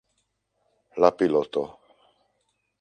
La piloto.